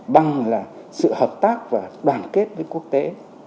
bằng là sự hợp tác và đoàn kết với quốc tế